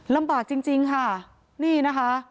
ลำบากจริงค่ะนี่นะคะ